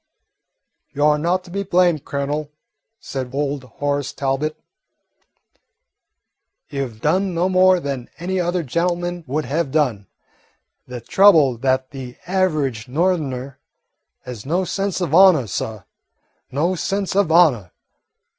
"You 're not to be blamed, Colonel," said old Horace Talbot. "You 've done no more than any other gentleman would have done. The trouble is that the average Northerner has no sense of honour, suh, no sense of honour.